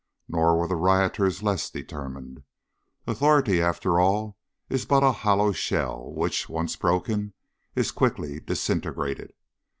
Nor were the rioters less determined. Authority, after all, is but a hollow shell, which, once broken, is quickly disintegrated.